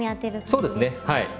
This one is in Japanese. そうですねはい。